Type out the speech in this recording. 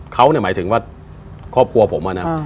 เขาเนี่ยหมายถึงว่าครอบครัวผม